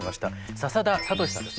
笹田哲さんです。